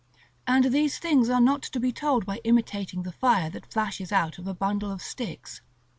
And these things are not to be told by imitating the fire that flashes out of a bundle of sticks.